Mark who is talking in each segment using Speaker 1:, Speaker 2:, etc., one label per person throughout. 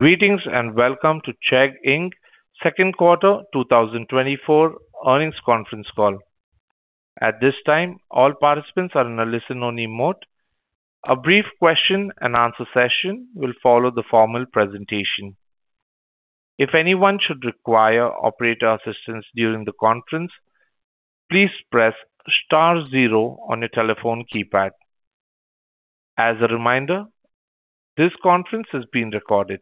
Speaker 1: Greetings, and welcome to Chegg, Inc.'s second quarter 2024 earnings conference call. At this time, all participants are in a listen-only mode. A brief question-and-answer session will follow the formal presentation. If anyone should require operator assistance during the conference, please Press Star zero on your telephone keypad. As a reminder, this conference is being recorded.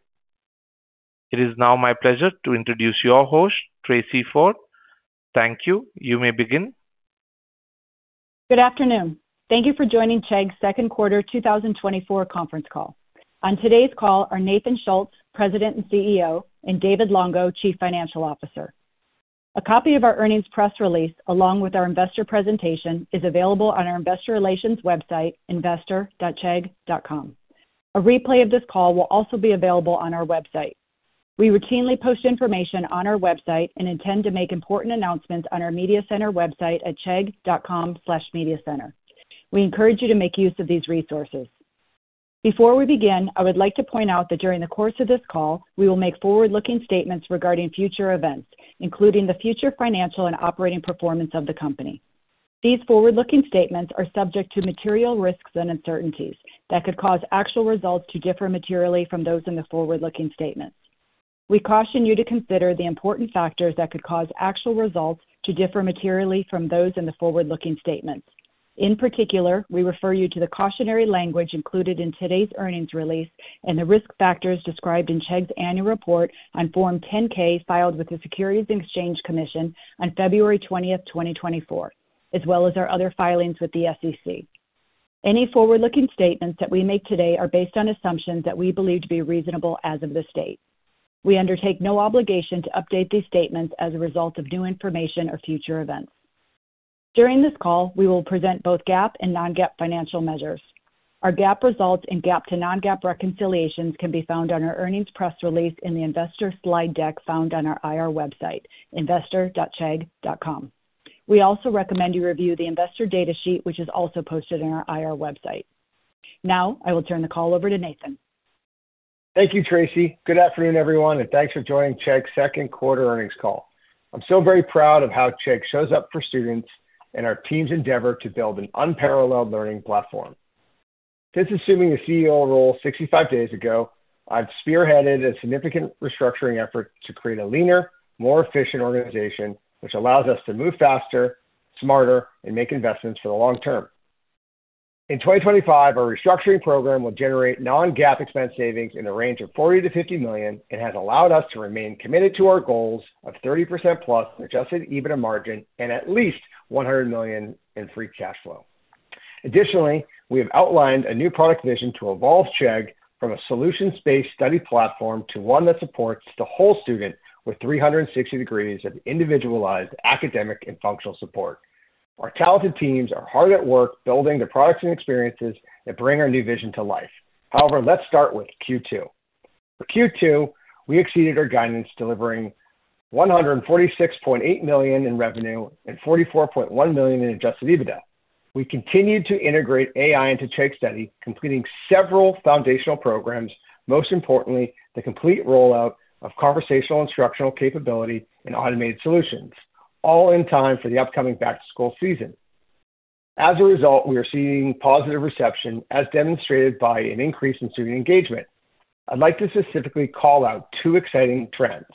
Speaker 1: It is now my pleasure to introduce your host, Tracey Ford. Thank you. You may begin.
Speaker 2: Good afternoon. Thank you for joining Chegg's second quarter 2024 conference call. On today's call are Nathan Schultz, President and CEO, and David Longo, Chief Financial Officer. A copy of our earnings press release, along with our investor presentation, is available on our investor relations website, investor.chegg.com. A replay of this call will also be available on our website. We routinely post information on our website and intend to make important announcements on our media center website at chegg.com/mediacenter. We encourage you to make use of these resources. Before we begin, I would like to point out that during the course of this call, we will make forward-looking statements regarding future events, including the future financial and operating performance of the company. These forward-looking statements are subject to material risks and uncertainties that could cause actual results to differ materially from those in the forward-looking statements. We caution you to consider the important factors that could cause actual results to differ materially from those in the forward-looking statements. In particular, we refer you to the cautionary language included in today's earnings release and the risk factors described in Chegg's annual report on Form 10-K, filed with the Securities and Exchange Commission on 20th February, 2024, as well as our other filings with the SEC. Any forward-looking statements that we make today are based on assumptions that we believe to be reasonable as of this date. We undertake no obligation to update these statements as a result of new information or future events. During this call, we will present both GAAP and non-GAAP financial measures. Our GAAP results and GAAP to non-GAAP reconciliations can be found on our earnings press release in the investor slide deck found on our IR website, investor.chegg.com. We also recommend you review the investor data sheet, which is also posted on our IR website. Now, I will turn the call over to Nathan.
Speaker 3: Thank you, Tracey. Good afternoon, everyone, and thanks for joining Chegg's second quarter earnings call. I'm so very proud of how Chegg shows up for students and our team's endeavor to build an unparalleled learning platform. Since assuming the CEO role 65 days ago, I've spearheaded a significant restructuring effort to create a leaner, more efficient organization, which allows us to move faster, smarter, and make investments for the long term. In 2025, our restructuring program will generate non-GAAP expense savings in the range of $40-$50 million and has allowed us to remain committed to our goals of+30% adjusted EBITDA margin and at least $100 million in free cash flow. Additionally, we have outlined a new product vision to evolve Chegg from a solutions-based study platform to one that supports the whole student with 360 degrees of individualized academic and functional support. Our talented teams are hard at work building the products and experiences that bring our new vision to life. However, let's start with Q2. For Q2, we exceeded our guidance, delivering $146.8 million in revenue and $44.1 million in Adjusted EBITDA. We continued to integrate AI into Chegg Study, completing several foundational programs, most importantly, the complete rollout of conversational instructional capability and automated solutions, all in time for the upcoming back-to-school season. As a result, we are seeing positive reception, as demonstrated by an increase in student engagement. I'd like to specifically call out two exciting trends.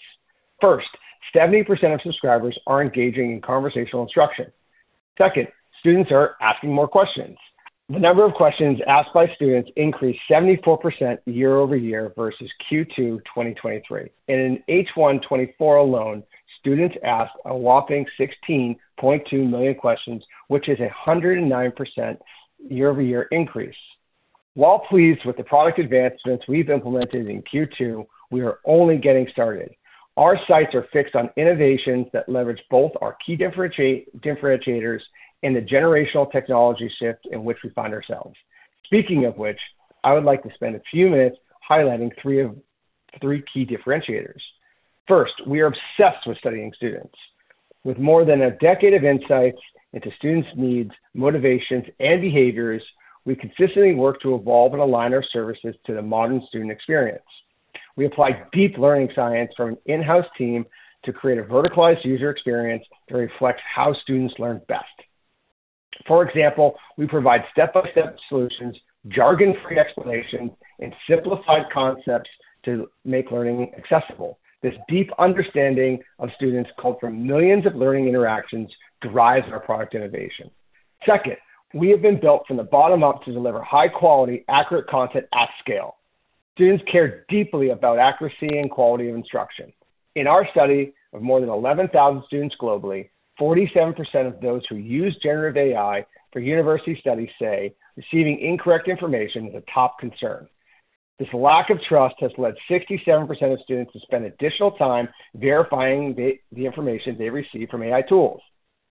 Speaker 3: First, 70% of subscribers are engaging in conversational instruction. Second, students are asking more questions. The number of questions asked by students increased 74% year-over-year versus Q2 2023. And in H1 2024 alone, students asked a whopping 16.2 million questions, which is a 109% year-over-year increase. While pleased with the product advancements we've implemented in Q2, we are only getting started. Our sights are fixed on innovations that leverage both our key differentiators and the generational technology shift in which we find ourselves. Speaking of which, I would like to spend a few minutes highlighting three key differentiators. First, we are obsessed with studying students. With more than a decade of insights into students' needs, motivations, and behaviors, we consistently work to evolve and align our services to the modern student experience. We apply deep learning science from an in-house team to create a verticalized user experience that reflects how students learn best. For example, we provide step-by-step solutions, jargon-free explanations, and simplified concepts to make learning accessible. This deep understanding of students, culled from millions of learning interactions, drives our product innovation. Second, we have been built from the bottom up to deliver high-quality, accurate content at scale. Students care deeply about accuracy and quality of instruction. In our study of more than 11,000 students globally, 47% of those who use generative AI for university studies say receiving incorrect information is a top concern. This lack of trust has led 67% of students to spend additional time verifying the information they receive from AI tools.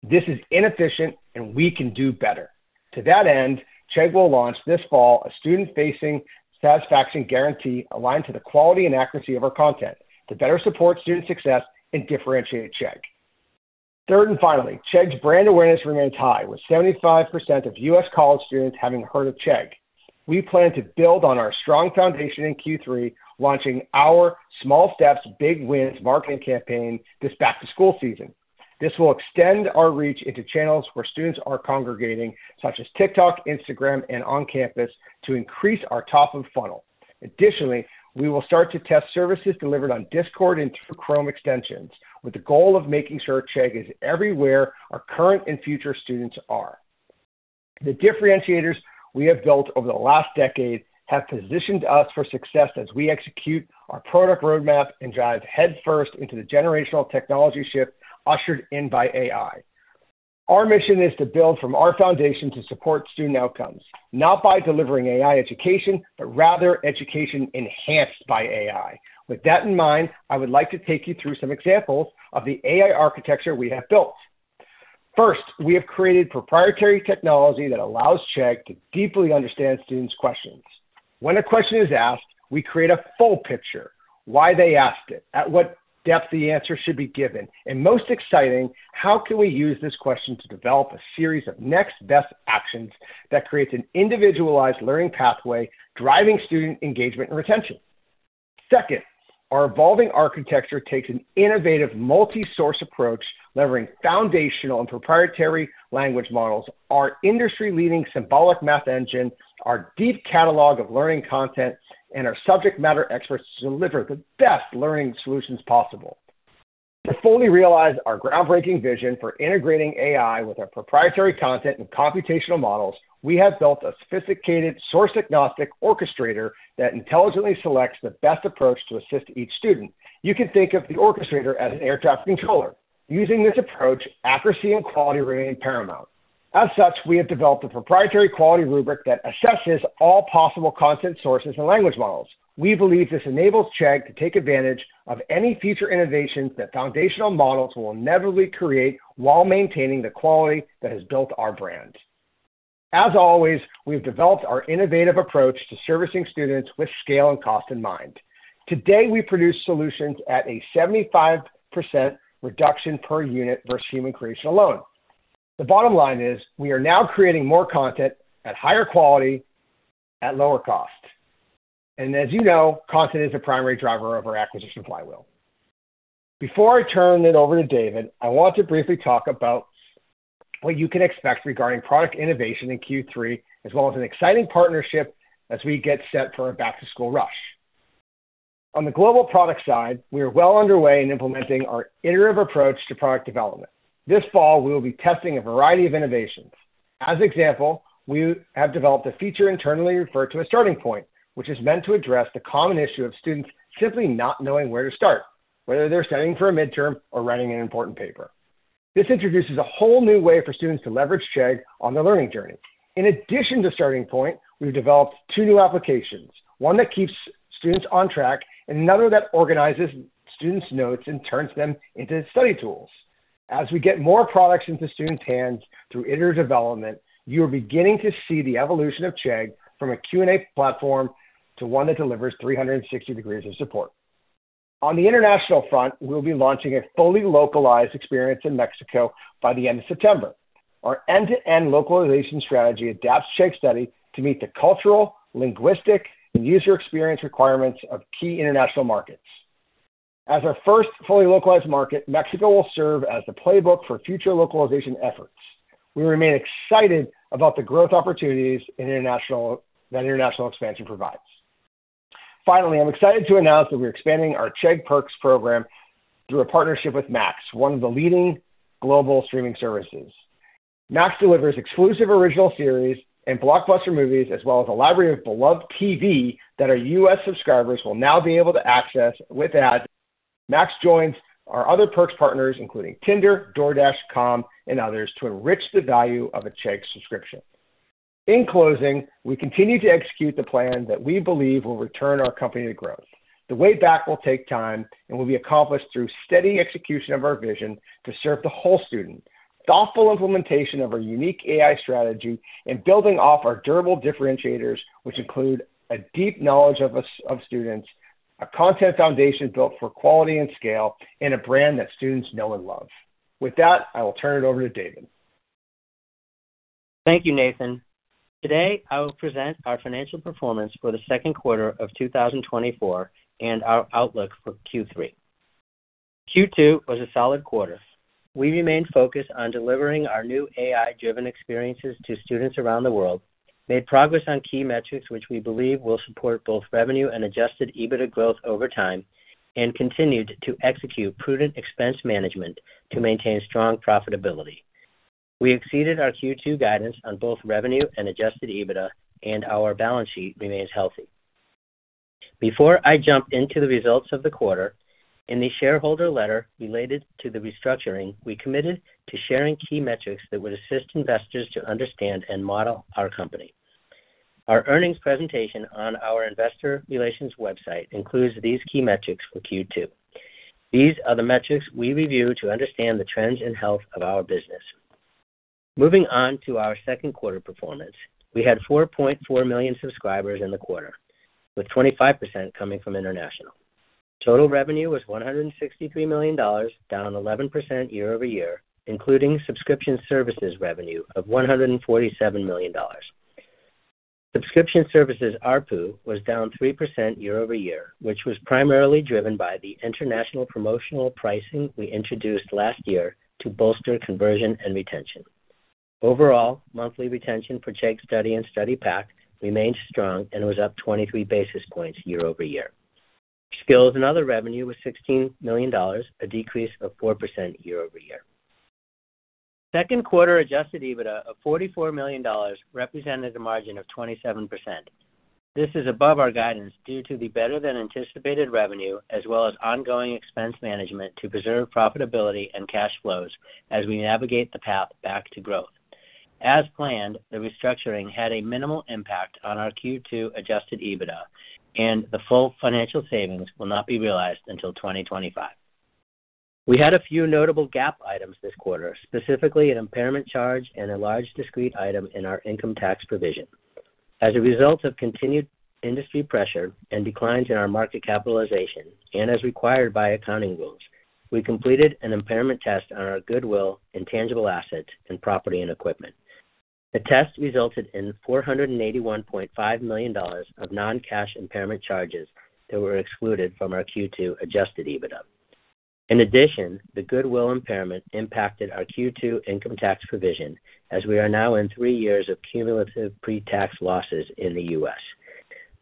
Speaker 3: This is inefficient, and we can do better. To that end, Chegg will launch this fall a student-facing satisfaction guarantee aligned to the quality and accuracy of our content to better support student success and differentiate Chegg. Third, and finally, Chegg's brand awareness remains high, with 75% of U.S. college students having heard of Chegg. We plan to build on our strong foundation in Q3, launching our Small Steps, Big Wins marketing campaign this back-to-school season. This will extend our reach into channels where students are congregating, such as TikTok, Instagram, and on campus, to increase our top of funnel. Additionally, we will start to test services delivered on Discord and through Chrome extensions, with the goal of making sure Chegg is everywhere our current and future students are. The differentiators we have built over the last decade have positioned us for success as we execute our product roadmap and dive headfirst into the generational technology shift ushered in by AI. Our mission is to build from our foundation to support student outcomes, not by delivering AI education, but rather education enhanced by AI. With that in mind, I would like to take you through some examples of the AI architecture we have built. First, we have created proprietary technology that allows Chegg to deeply understand students' questions. When a question is asked, we create a full picture, why they asked it, at what depth the answer should be given, and most exciting, how can we use this question to develop a series of next best actions that creates an individualized learning pathway, driving student engagement and retention? Second, our evolving architecture takes an innovative multi-source approach, leveraging foundational and proprietary language models. Our industry-leading symbolic math engine, our deep catalog of learning content, and our subject matter experts deliver the best learning solutions possible. To fully realize our groundbreaking vision for integrating AI with our proprietary content and computational models, we have built a sophisticated source-agnostic orchestrator that intelligently selects the best approach to assist each student. You can think of the orchestrator as an air traffic controller. Using this approach, accuracy and quality remain paramount. As such, we have developed a proprietary quality rubric that assesses all possible content sources and language models. We believe this enables Chegg to take advantage of any future innovations that foundational models will inevitably create, while maintaining the quality that has built our brand. As always, we've developed our innovative approach to servicing students with scale and cost in mind. Today, we produce solutions at a 75% reduction per unit versus human creation alone. The bottom line is, we are now creating more content at higher quality, at lower cost. And as you know, content is a primary driver of our acquisition flywheel. Before I turn it over to David, I want to briefly talk about what you can expect regarding product innovation in Q3, as well as an exciting partnership as we get set for our back-to-school rush. On the global product side, we are well underway in implementing our iterative approach to product development. This fall, we will be testing a variety of innovations. As example, we have developed a feature internally referred to as Starting Point, which is meant to address the common issue of students simply not knowing where to start, whether they're studying for a midterm or writing an important paper. This introduces a whole new way for students to leverage Chegg on their learning journey. In addition to Starting Point, we've developed two new applications. One that keeps students on track, and another that organizes students' notes and turns them into study tools. As we get more products into students' hands through iterative development, you are beginning to see the evolution of Chegg from a Q&A platform to one that delivers 360 degrees of support. On the international front, we'll be launching a fully localized experience in Mexico by the end of September. Our end-to-end localization strategy adapts Chegg Study to meet the cultural, linguistic, and user experience requirements of key international markets. As our first fully localized market, Mexico will serve as the playbook for future localization efforts. We remain excited about the growth opportunities in international expansion provides. Finally, I'm excited to announce that we're expanding our Chegg Perks program through a partnership with Max, one of the leading global streaming services. Max delivers exclusive original series and blockbuster movies, as well as a library of beloved TV that our U.S. subscribers will now be able to access with ad. Max joins our other Perks partners, including Tinder, DoorDash, Calm, and others, to enrich the value of a Chegg subscription. In closing, we continue to execute the plan that we believe will return our company to growth. The way back will take time and will be accomplished through steady execution of our vision to serve the whole student, thoughtful implementation of our unique AI strategy, and building off our durable differentiators, which include a deep knowledge of students, a content foundation built for quality and scale, and a brand that students know and love. With that, I will turn it over to David.
Speaker 4: Thank you, Nathan. Today, I will present our financial performance for the second quarter of 2024, and our outlook for Q3. Q2 was a solid quarter. We remained focused on delivering our new AI-driven experiences to students around the world, made progress on key metrics, which we believe will support both revenue and Adjusted EBITDA growth over time, and continued to execute prudent expense management to maintain strong profitability. We exceeded our Q2 guidance on both revenue and Adjusted EBITDA, and our balance sheet remains healthy. Before I jump into the results of the quarter, in the shareholder letter related to the restructuring, we committed to sharing key metrics that would assist investors to understand and model our company. Our earnings presentation on our investor relations website includes these key metrics for Q2. These are the metrics we review to understand the trends and health of our business. Moving on to our second quarter performance, we had 4.4 million subscribers in the quarter, with 25% coming from international. Total revenue was $163 million, down 11% year-over-year, including subscription services revenue of $147 million. Subscription services ARPU was down 3% year-over-year, which was primarily driven by the international promotional pricing we introduced last year to bolster conversion and retention. Overall, monthly retention for Chegg Study and Study Pack remained strong and was up 23 basis points year-over-year. Skills and other revenue was $16 million, a decrease of 4% year-over-year. Second quarter Adjusted EBITDA of $44 million represented a margin of 27%. This is above our guidance due to the better than anticipated revenue, as well as ongoing expense management to preserve profitability and cash flows as we navigate the path back to growth. As planned, the restructuring had a minimal impact on our Q2 Adjusted EBITDA, and the full financial savings will not be realized until 2025. We had a few notable GAAP items this quarter, specifically an impairment charge and a large discrete item in our income tax provision. As a result of continued industry pressure and declines in our market capitalization, and as required by accounting rules, we completed an impairment test on our goodwill, intangible assets, and property and equipment. The test resulted in $481.5 million of non-cash impairment charges that were excluded from our Q2 Adjusted EBITDA. In addition, the goodwill impairment impacted our Q2 income tax provision, as we are now in three years of cumulative pretax losses in the U.S.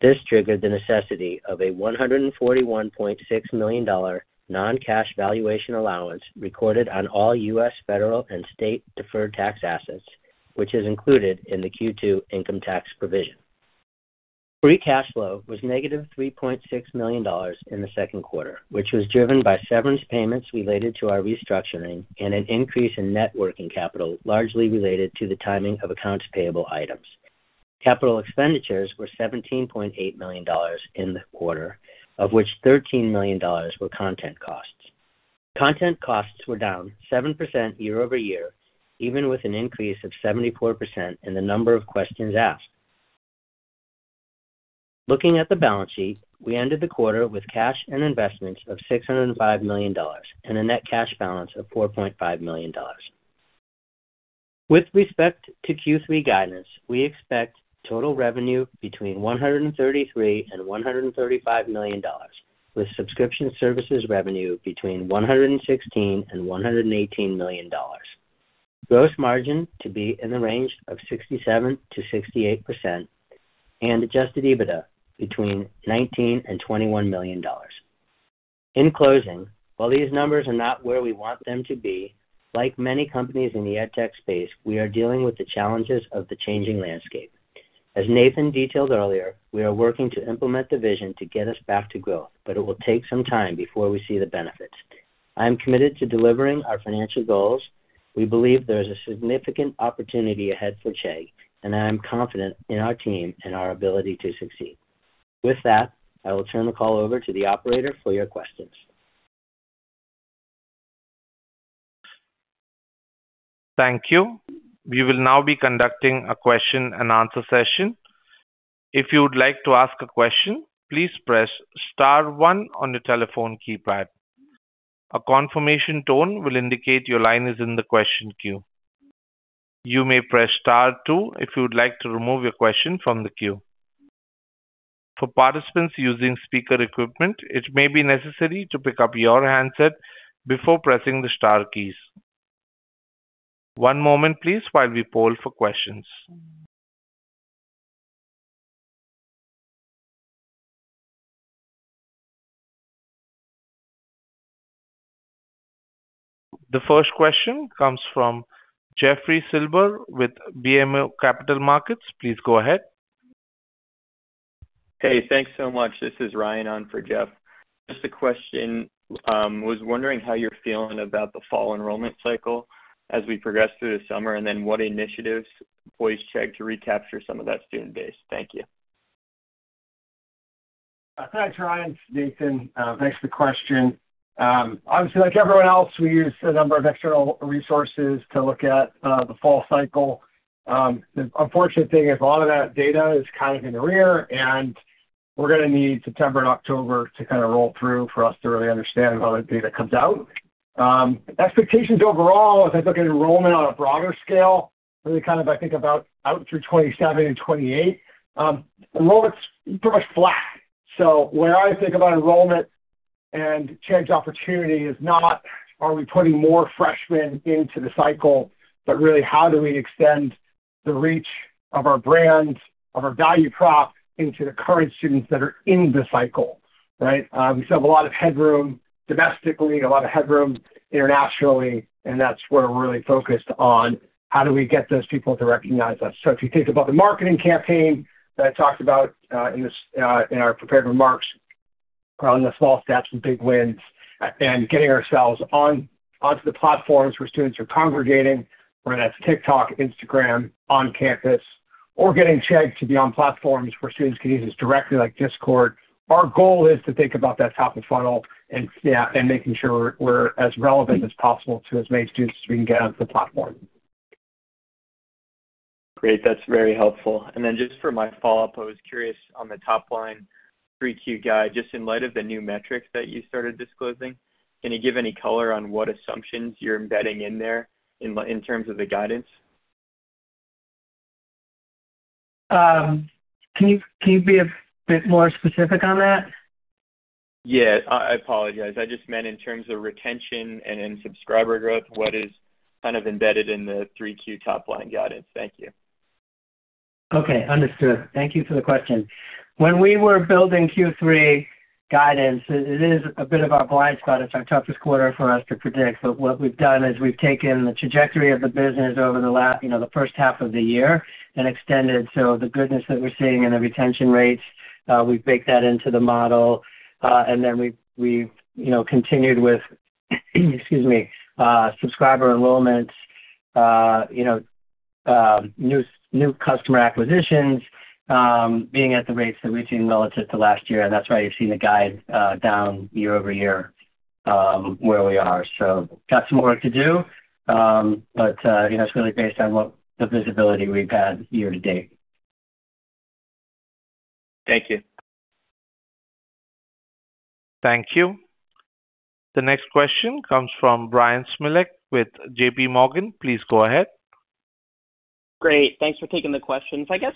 Speaker 4: This triggered the necessity of a $141.6 million non-cash valuation allowance recorded on all U.S. federal and state deferred tax assets, which is included in the Q2 income tax provision. Free cash flow was negative $3.6 million in the second quarter, which was driven by severance payments related to our restructuring and an increase in net working capital, largely related to the timing of accounts payable items. Capital expenditures were $17.8 million in the quarter, of which $13 million were content costs. Content costs were down 7% year-over-year, even with an increase of 74% in the number of questions asked. Looking at the balance sheet, we ended the quarter with cash and investments of $605 million and a net cash balance of $4.5 million. With respect to Q3 guidance, we expect total revenue between $133 million and $135 million, with subscription services revenue between $116 million and $118 million. Gross margin to be in the range of 67%-68% and Adjusted EBITDA between $19 million and $21 million. In closing, while these numbers are not where we want them to be, like many companies in the edtech space, we are dealing with the challenges of the changing landscape. As Nathan detailed earlier, we are working to implement the vision to get us back to growth, but it will take some time before we see the benefits. I am committed to delivering our financial goals. We believe there is a significant opportunity ahead for Chegg, and I am confident in our team and our ability to succeed. With that, I will turn the call over to the operator for your questions.
Speaker 1: Thank you. We will now be conducting a question-and-answer session. If you would like to ask a question, please press star one on your telephone keypad. A confirmation tone will indicate your line is in the question queue. You may press star two if you would like to remove your question from the queue. For participants using speaker equipment, it may be necessary to pick up your handset before pressing the star keys. One moment please while we poll for questions. The first question comes from Jeffrey Silber with BMO Capital Markets. Please go ahead.
Speaker 5: Hey, thanks so much. This is Ryan on for Jeff. Just a question, was wondering how you're feeling about the fall enrollment cycle as we progress through the summer, and then what initiatives Chegg's to recapture some of that student base? Thank you.
Speaker 3: Thanks, Ryan. It's Nathan. Thanks for the question. Obviously, like everyone else, we use a number of external resources to look at the fall cycle. The unfortunate thing is a lot of that data is kind of in the rear, and we're gonna need September and October to kind of roll through for us to really understand how that data comes out. Expectations overall, as I look at enrollment on a broader scale, really kind of, I think about out through 2027 and 2028, enrollment's pretty much flat. So when I think about enrollment and Chegg's opportunity is not are we putting more freshmen into the cycle, but really, how do we extend the reach of our brand, of our value prop into the current students that are in the cycle, right? We still have a lot of headroom domestically, a lot of headroom internationally, and that's where we're really focused on how do we get those people to recognize us. So if you think about the marketing campaign that I talked about in our prepared remarks, on the Small Steps, Big Wins, and getting ourselves onto the platforms where students are congregating, whether that's TikTok, Instagram, on campus, or getting Chegg to be on platforms where students can use us directly, like Discord. Our goal is to think about that top of funnel and, yeah, and making sure we're as relevant as possible to as many students as we can get onto the platform.
Speaker 5: Great. That's very helpful. And then just for my follow-up, I was curious on the top line, 3Q guide, just in light of the new metrics that you started disclosing, can you give any color on what assumptions you're embedding in there in terms of the guidance?
Speaker 4: Can you be a bit more specific on that?
Speaker 5: Yes, I, I apologize. I just meant in terms of retention and subscriber growth, what is kind of embedded in the 3Q top line guidance. Thank you.
Speaker 4: Okay, understood. Thank you for the question. When we were building Q3 guidance, it is a bit of a blind spot. It's our toughest quarter for us to predict, but what we've done is we've taken the trajectory of the business over the last, you know, the first half of the year and extended. So the goodness that we're seeing in the retention rates, we've baked that into the model, and then we've, you know, continued with, excuse me, subscriber enrollments, you know, new customer acquisitions, being at the rates that we've seen relative to last year, and that's why you've seen the guide down year-over-year, where we are. So got some more work to do, but, you know, it's really based on what the visibility we've had year to date.
Speaker 5: Thank you.
Speaker 1: Thank you. The next question comes from Bryan Smilek with J.P. Morgan. Please go ahead.
Speaker 6: Great. Thanks for taking the questions. I guess,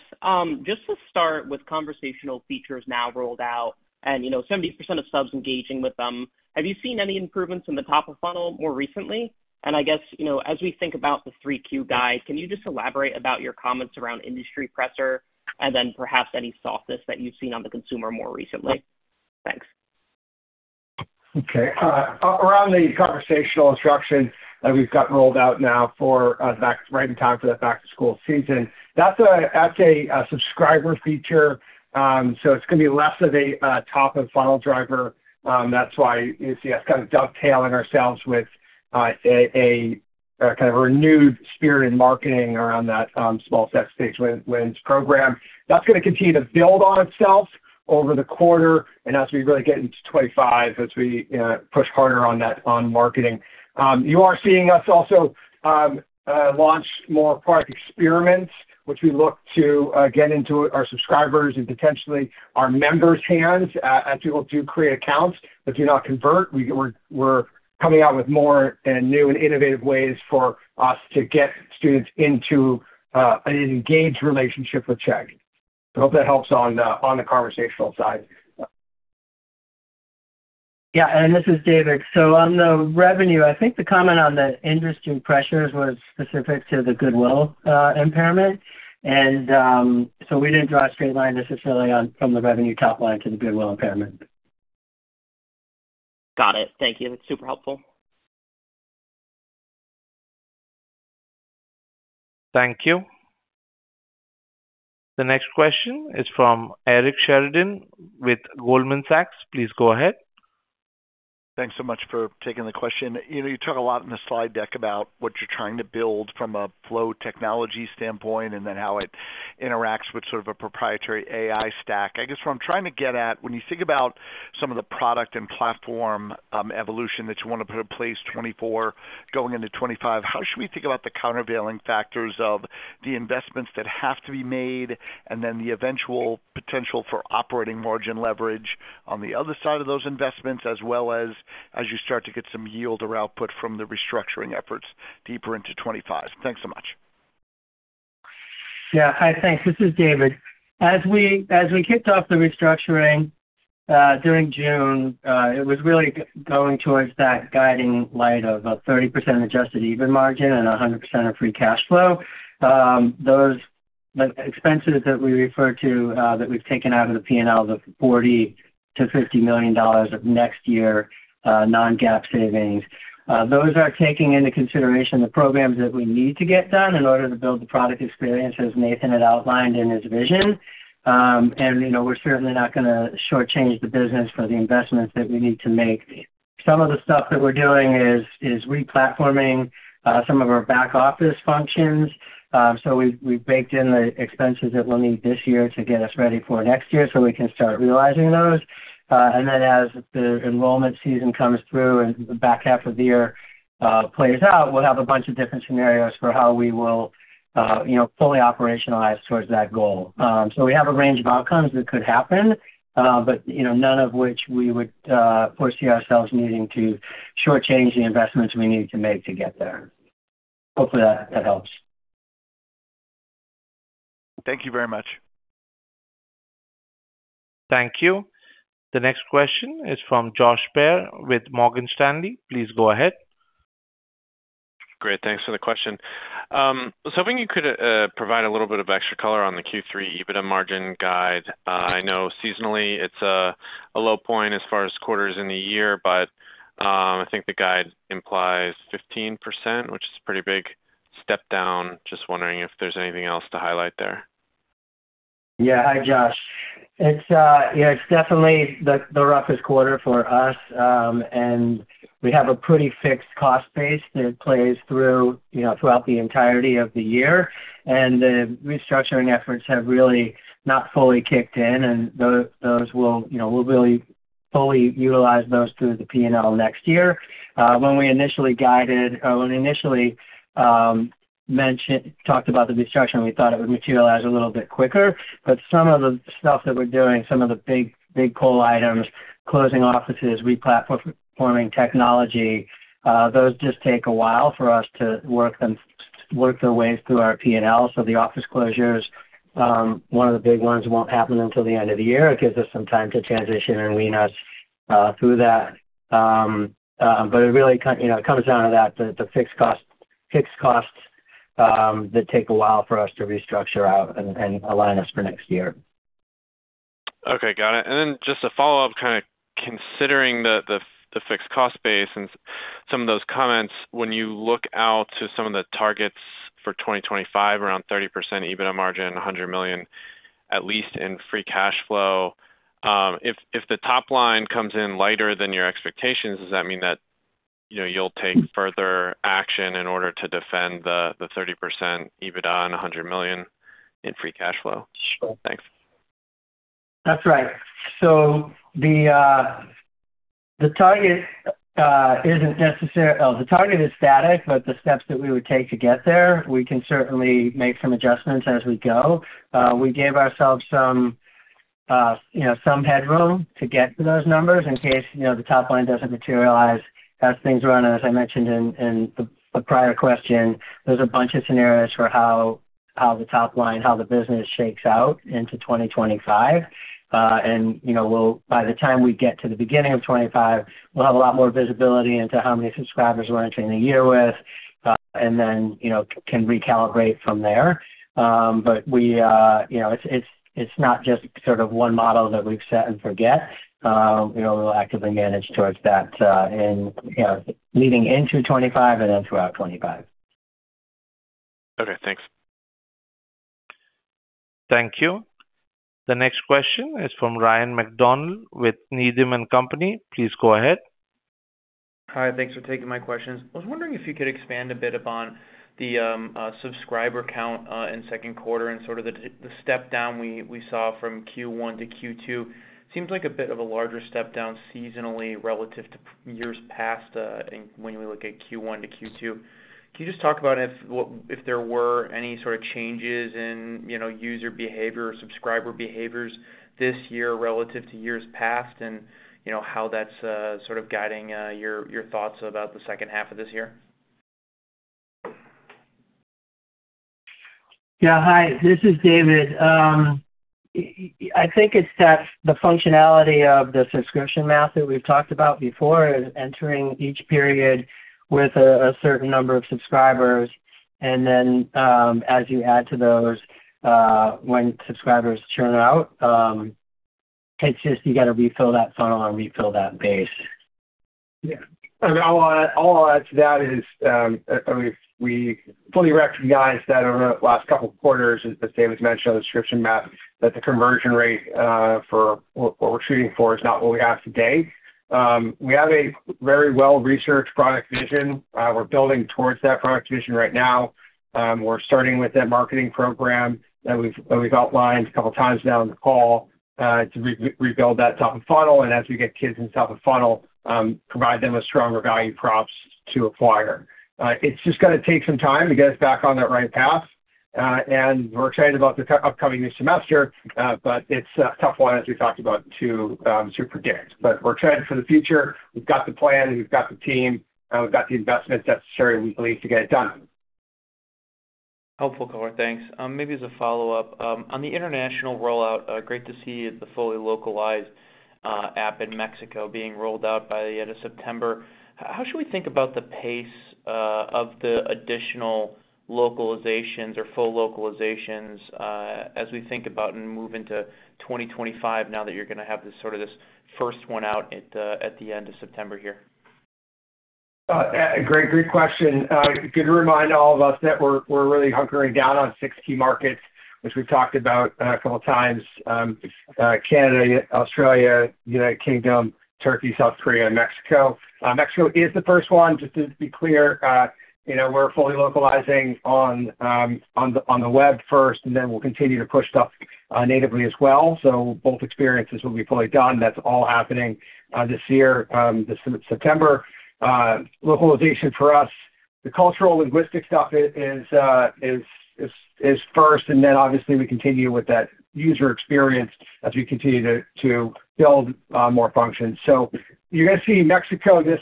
Speaker 6: just to start with conversational features now rolled out and, you know, 70% of subs engaging with them, have you seen any improvements in the top of funnel more recently? And I guess, you know, as we think about the 3Q guide, can you just elaborate about your comments around industry pressure and then perhaps any softness that you've seen on the consumer more recently? Thanks.
Speaker 3: Okay, around the conversational instructional that we've got rolled out now for back right in time for the back-to-school season, that's a subscriber feature, so it's gonna be less of a top-of-funnel driver. That's why you see us kind of dovetailing ourselves with a kind of a renewed spirit in marketing around that, Small Steps, Big Wins program. That's gonna continue to build on itself over the quarter and as we really get into 25, as we push harder on that, on marketing. You are seeing us also launch more product experiments, which we look to get into our subscribers and potentially our members' hands. As people do create accounts but do not convert, we're coming out with more and new and innovative ways for us to get students into an engaged relationship with Chegg. I hope that helps on the conversational side.
Speaker 4: Yeah, and this is David. So on the revenue, I think the comment on the industry pressures was specific to the goodwill impairment. So we didn't draw a straight line necessarily on, from the revenue top line to the goodwill impairment.
Speaker 6: Got it. Thank you. That's super helpful.
Speaker 1: Thank you. The next question is from Eric Sheridan with Goldman Sachs. Please go ahead.
Speaker 7: Thanks so much for taking the question. You know, you talk a lot in the slide deck about what you're trying to build from a flow technology standpoint, and then how it interacts with sort of a proprietary AI stack. I guess what I'm trying to get at, when you think about some of the product and platform, evolution that you want to put in place 2024 going into 2025, how should we think about the countervailing factors of the investments that have to be made, and then the eventual potential for operating margin leverage on the other side of those investments, as well as, as you start to get some yield or output from the restructuring efforts deeper into 2025? Thanks so much.
Speaker 4: Yeah. Hi, thanks. This is David. As we kicked off the restructuring during June, it was really going towards that guiding light of a 30% adjusted EBITDA margin and 100% of free cash flow. Those expenses that we refer to that we've taken out of the P&L, the $40-$50 million of next year non-GAAP savings, those are taking into consideration the programs that we need to get done in order to build the product experience, as Nathan had outlined in his vision. And, you know, we're certainly not gonna shortchange the business for the investments that we need to make. Some of the stuff that we're doing is replatforming some of our back office functions. So we've baked in the expenses that we'll need this year to get us ready for next year, so we can start realizing those. And then as the enrollment season comes through and the back half of the year plays out, we'll have a bunch of different scenarios for how we will, you know, fully operationalize towards that goal. So we have a range of outcomes that could happen, but, you know, none of which we would foresee ourselves needing to shortchange the investments we need to make to get there. Hopefully, that helps.
Speaker 7: Thank you very much.
Speaker 1: Thank you. The next question is from Josh Baer with Morgan Stanley. Please go ahead.
Speaker 8: Great, thanks for the question. I was hoping you could provide a little bit of extra color on the Q3 EBITDA margin guide. I know seasonally it's a low point as far as quarters in the year, but I think the guide implies 15%, which is a pretty big step down. Just wondering if there's anything else to highlight there?
Speaker 4: Yeah. Hi, Josh. It's, yeah, it's definitely the roughest quarter for us, and we have a pretty fixed cost base that plays through, you know, throughout the entirety of the year. And the restructuring efforts have really not fully kicked in, and those will, you know, we'll really fully utilize those through the P&L next year. When we initially guided or when we initially talked about the restructuring, we thought it would materialize a little bit quicker. But some of the stuff that we're doing, some of the big, big pull items, closing offices, re-platforming technology, those just take a while for us to work them, work their way through our P&L. So the office closures, one of the big ones, won't happen until the end of the year. It gives us some time to transition and wean us through that. But it really, kind, you know, it comes down to that, the, the fixed cost, fixed costs, that take a while for us to restructure out and, and align us for next year.
Speaker 8: Okay, got it. And then just a follow-up, kind of considering the fixed cost base and some of those comments. When you look out to some of the targets for 2025, around 30% EBITDA margin, $100 million at least in free cash flow, if the top line comes in lighter than your expectations, does that mean that, you know, you'll take further action in order to defend the 30% EBITDA and $100 million in free cash flow?
Speaker 4: Sure.
Speaker 8: Thanks.
Speaker 4: That's right. So the target is static, but the steps that we would take to get there, we can certainly make some adjustments as we go. We gave ourselves some, you know, some headroom to get to those numbers in case, you know, the top line doesn't materialize as things run. As I mentioned in the prior question, there's a bunch of scenarios for how the top line, how the business shakes out into 2025. And, you know, by the time we get to the beginning of 2025, we'll have a lot more visibility into how many subscribers we're entering the year with, and then, you know, can recalibrate from there. But we, you know, it's not just sort of one model that we've set and forget. You know, we'll actively manage towards that, in, you know, leading into 2025 and then throughout 2025.
Speaker 8: Okay, thanks.
Speaker 1: Thank you. The next question is from Ryan MacDonald with Needham & Company. Please go ahead.
Speaker 9: Hi, thanks for taking my questions. I was wondering if you could expand a bit upon the subscriber count in second quarter and sort of the step down we saw from Q1 -Q2. Seems like a bit of a larger step down seasonally relative to years past, and when we look at Q1 - Q2. Can you just talk about if there were any sort of changes in, you know, user behavior or subscriber behaviors this year relative to years past, and, you know, how that's sort of guiding your thoughts about the second half of this year?
Speaker 4: Yeah. Hi, this is David. I think it's that the functionality of the subscription math that we've talked about before is entering each period with a certain number of subscribers. And then, as you add to those, when subscribers churn out, it's just you got to refill that funnel and refill that base.
Speaker 3: Yeah, and all I, all I'll add to that is, we fully recognize that over the last couple of quarters, as David mentioned on the subscription map, that the conversion rate for what we're shooting for is not what we have today. We have a very well-researched product vision. We're building towards that product vision right now. We're starting with that marketing program that we've outlined a couple of times now on the call to rebuild that top of funnel, and as we get kids in the top of funnel, provide them with stronger value props to acquire. It's just gonna take some time to get us back on that right path. And we're excited about the upcoming new semester, but it's a tough one, as we talked about, to predict. But we're excited for the future. We've got the plan, we've got the team, and we've got the investment necessary, we believe, to get it done.
Speaker 9: Helpful color. Thanks. Maybe as a follow-up, on the international rollout, great to see the fully localized app in Mexico being rolled out by the end of September. How should we think about the pace of the additional localizations or full localizations, as we think about and move into 2025, now that you're gonna have this, sort of this first one out at the end of September here?
Speaker 3: Great, great question. Good reminder to all of us that we're really hunkering down on six key markets, which we've talked about a couple of times. Canada, Australia, United Kingdom, Turkey, South Korea, and Mexico. Mexico is the first one, just to be clear. You know, we're fully localizing on the web first, and then we'll continue to push stuff natively as well. So both experiences will be fully done, that's all happening this year, this September. Localization for us, the cultural linguistic stuff is first, and then obviously, we continue with that user experience as we continue to build more functions. So you're gonna see Mexico in the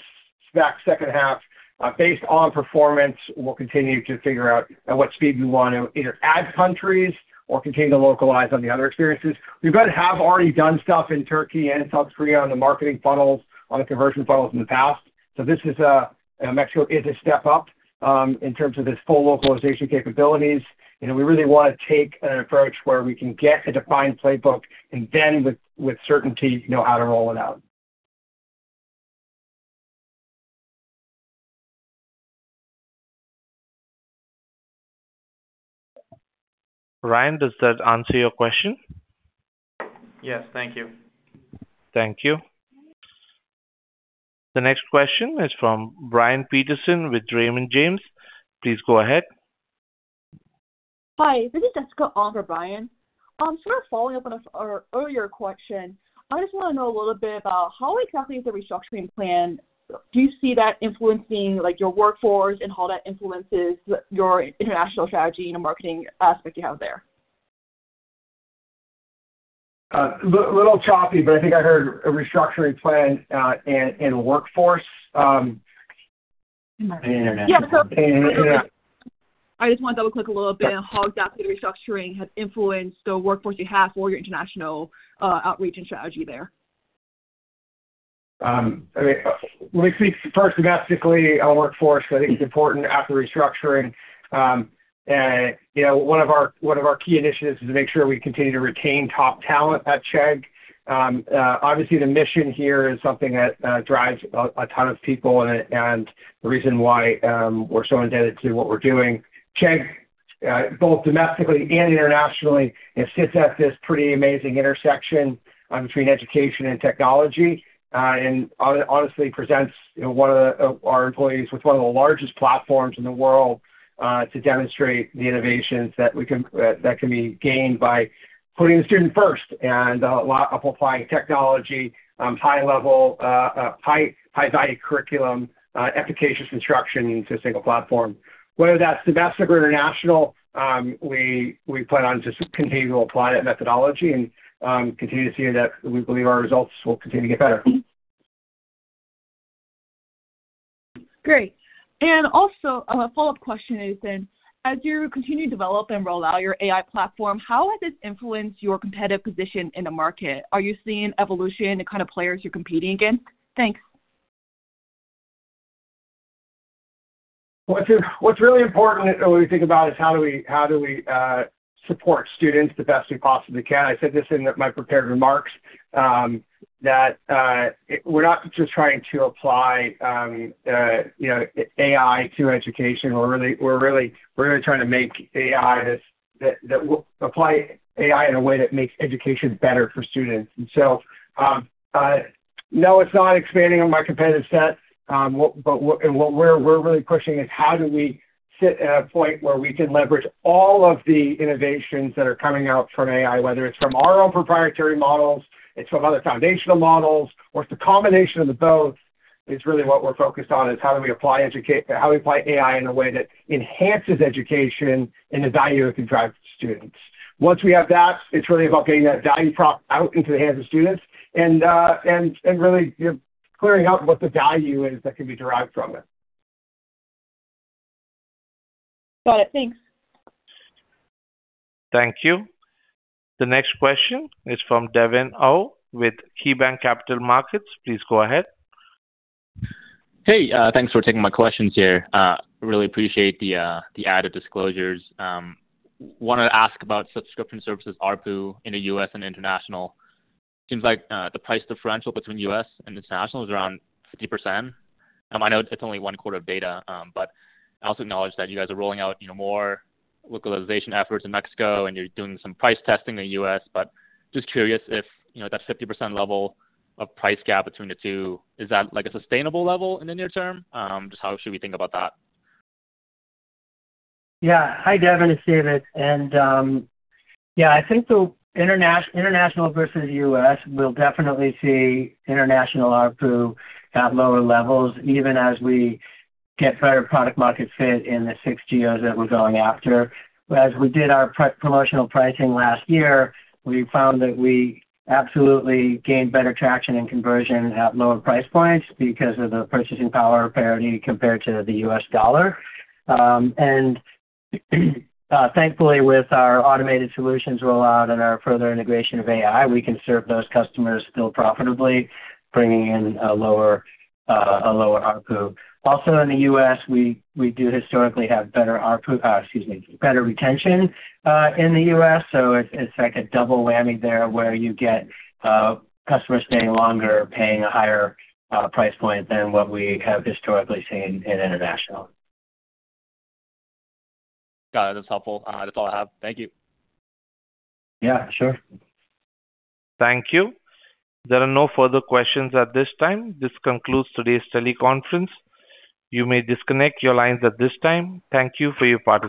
Speaker 3: second half, based on performance, we'll continue to figure out at what speed we want to either add countries or continue to localize on the other experiences. We've got to have already done stuff in Turkey and South Korea on the marketing funnels, on the conversion funnels in the past. So this is Mexico is a step up in terms of its full localization capabilities, and we really want to take an approach where we can get a defined playbook and then with certainty, know how to roll it out.
Speaker 1: Ryan, does that answer your question?
Speaker 9: Yes. Thank you.
Speaker 1: Thank you. The next question is from Brian Peterson with Raymond James. Please go ahead.
Speaker 10: Hi, this is Jessica on for Brian. Sort of following up on our, our earlier question, I just want to know a little bit about how exactly is the restructuring plan. Do you see that influencing, like, your workforce and how that influences your international strategy and the marketing aspect you have there?
Speaker 3: Little choppy, but I think I heard a restructuring plan in workforce, international.
Speaker 10: Yeah. So I just want to double-click a little bit on how exactly the restructuring has influenced the workforce you have for your international outreach and strategy there.
Speaker 3: I mean, when we speak first domestically, our workforce, I think it's important after restructuring. You know, one of our key initiatives is to make sure we continue to retain top talent at Chegg. Obviously, the mission here is something that drives a ton of people and it, and the reason why we're so indebted to what we're doing. Chegg, both domestically and internationally, it sits at this pretty amazing intersection between education and technology, and honestly presents, you know, our employees with one of the largest platforms in the world, to demonstrate the innovations that can be gained by putting the student first and amplifying technology, high level high-value curriculum, efficacious instruction into a single platform. Whether that's domestic or international, we plan on just continuing to apply that methodology and continue to see that we believe our results will continue to get better.
Speaker 10: Great. And also, a follow-up question, Nathan. As you continue to develop and roll out your AI platform, how has this influenced your competitive position in the market? Are you seeing evolution in the kind of players you're competing against? Thanks.
Speaker 3: What's really important when we think about is how do we support students the best we possibly can? I said this in my prepared remarks that we're not just trying to apply, you know, AI to education. We're really trying to make AI that apply AI in a way that makes education better for students. And so, no, it's not expanding on my competitive set. What... But what we're really pushing is how do we sit at a point where we can leverage all of the innovations that are coming out from AI, whether it's from our own proprietary models, it's from other foundational models, or it's a combination of both, is really what we're focused on, is how do we apply AI in a way that enhances education and the value it can drive to students. Once we have that, it's really about getting that value prop out into the hands of students and, and really, you know, clearing out what the value is that can be derived from it.
Speaker 10: Got it. Thanks.
Speaker 1: Thank you. The next question is from Devin Au with KeyBank Capital Markets. Please go ahead.
Speaker 11: Hey, thanks for taking my questions here. Really appreciate the added disclosures. Wanted to ask about subscription services ARPU in the U.S. and international. Seems like the price differential between U.S. and international is around 50%. I know it's only one quarter of data, but I also acknowledge that you guys are rolling out, you know, more localization efforts in Mexico, and you're doing some price testing in the U.S. But just curious if, you know, that 50% level of price gap between the two, is that, like, a sustainable level in the near term? Just how should we think about that?
Speaker 4: Yeah. Hi, D, it's David. And, yeah, I think the international versus US, we'll definitely see international ARPU at lower levels, even as we get better product market fit in the six geos that we're going after. As we did our promotional pricing last year, we found that we absolutely gained better traction and conversion at lower price points because of the purchasing power parity compared to the US dollar. And, thankfully, with our automated solutions rollout and our further integration of AI, we can serve those customers still profitably, bringing in a lower, a lower ARPU. Also in the US, we do historically have better ARPU, excuse me, better retention, in the US. It's like a double whammy there, where you get customers staying longer, paying a higher price point than what we have historically seen in international.
Speaker 11: Got it. That's helpful. That's all I have. Thank you.
Speaker 4: Yeah, sure.
Speaker 1: Thank you. There are no further questions at this time. This concludes today's teleconference. You may disconnect your lines at this time. Thank you for your participation.